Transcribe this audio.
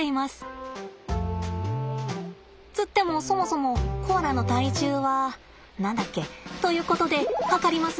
つってもそもそもコアラの体重は何だっけ？ということで量ります。